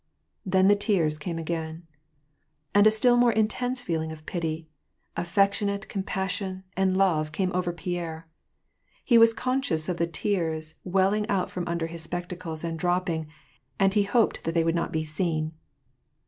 Then the tears came again. And a still more intense feeling of pity, affectionate compas •)ii, and love, came over Pierre. He was conscious of the tears w filing out from under his spectacles and dropping, and he . >ped that they would not be seen.